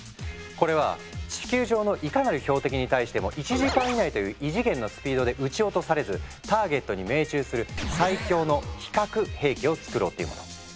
これは地球上のいかなる標的に対しても１時間以内という異次元のスピードで撃ち落とされずターゲットに命中する最強の非核兵器を作ろうっていうもの。